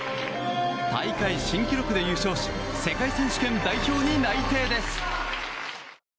大会新記録で優勝し世界選手権代表に内定です。